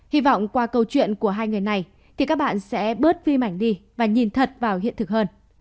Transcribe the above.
hy vọng qua câu chuyện của hai người này thì các bạn sẽ bớt phim ảnh đi và nhìn thật vào hiện thực hơn